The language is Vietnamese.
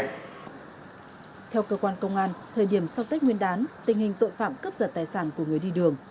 theo cơ quan công an thời điểm sau tết nguyên đán tình hình tội phạm cướp giật tài sản của người đi đường